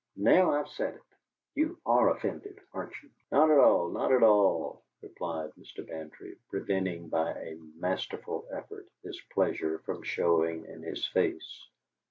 Now I've said it! You ARE offended aren't you?" "Not at all, not at all," replied Mr. Bantry, preventing by a masterful effort his pleasure from showing in his face.